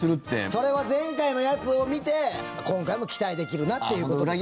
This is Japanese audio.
それは前回のやつを見て今回も期待できるなっていうことです。